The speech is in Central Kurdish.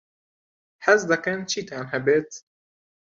حەز دەکەن چیتان هەبێت؟